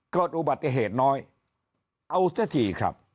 เกิดอุบัติเหตุน้อยเอาเสียทีครับ